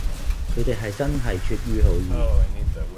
佢哋係真係出於好意